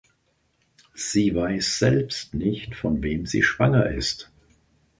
Sie weiß selbst nicht, von wem sie schwanger ist.